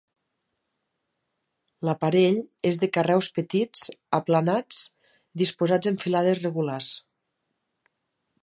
L'aparell és de carreus petits, aplanats, disposats en filades regulars.